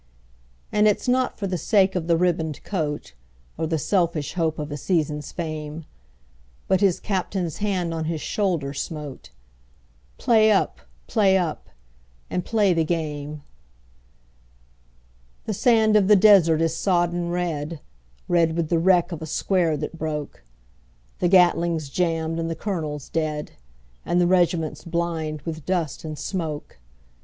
And it's not for the sake of a ribboned coat, Or the selfish hope of a season's fame, But his Captain's hand on his shoulder smote "Play up! play up! and play the game!" The sand of the desert is sodden red, Red with the wreck of a square that broke; The Gatling's jammed and the colonel dead, And the regiment blind with dust and smoke.